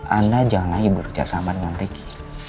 anda jangan lagi berhias sama dengan ricky